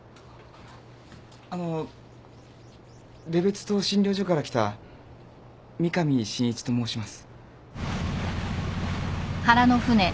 あの礼別島診療所から来た三上新一と申します。